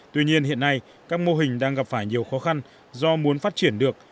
tuy nhiên hiện nay các mô hình đang gặp phải nhiều khó khăn do muốn phát triển được